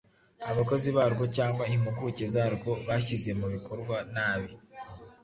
abakozi barwo cyangwa impuguke zarwo bashyize mu bikorwa nabi